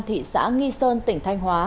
thị xã nghi sơn tỉnh thanh hóa